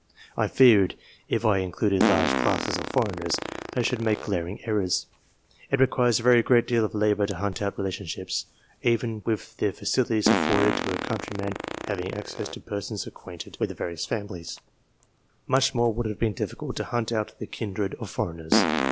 I feared, if I included large classes of foreigners, that I should make glaring errors. It requires a very great deal of labour to hunt out relationships, even with the facilities afforded to a countryman having access to persons acquainted with the various families ; much more would it have been difficult to hunt out the kindred of foreigners.